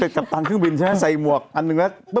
กัปตันเครื่องบินใช่ไหมใส่หมวกอันหนึ่งแล้ว